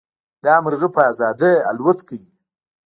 دا مرغه په ازادۍ الوت کوي.